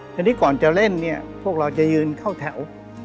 ทีนี้ก่อนจะเล่นเนี่ยพวกเราจะยืนเข้าแถว